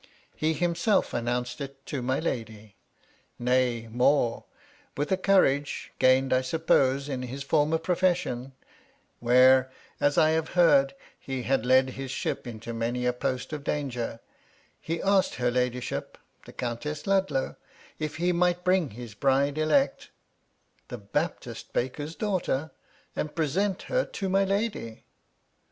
He himself an nounced it to my lady; nay, more, with a courage, gained, I suppose, in his former profession, where, as I have heard, he had led his ship into many a post of danger, he asked her ladyship, the Countess Ludlow, if he might bring his bride elect (the Baptist baker's daughter !) and present her to my lady